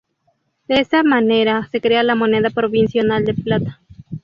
De esta manera se crea la moneda provincial de plata.